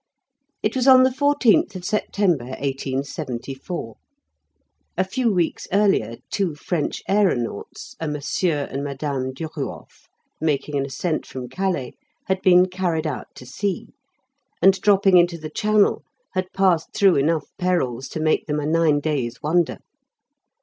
It was on the 14th of September, 1874. A few weeks earlier two French aeronauts, a Monsieur and Madame Duruof, making an ascent from Calais, had been carried out to sea, and dropping into the Channel, had passed through enough perils to make them a nine days' wonder.